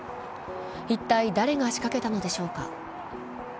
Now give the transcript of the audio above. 一体、誰が仕掛けたのでしょうか。